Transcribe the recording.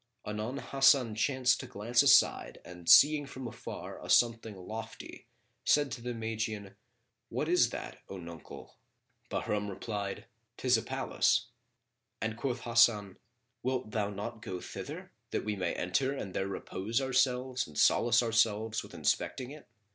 Anon Hasan chanced to glance aside and seeing from afar a something lofty said to the Magian, "What is that, O nuncle?" Bahram replied, "'Tis a palace," and quoth Hasan, "Wilt thou not go thither, that we may enter and there repose ourselves and solace ourselves with inspecting it?"